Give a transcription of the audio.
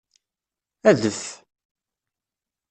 Adef!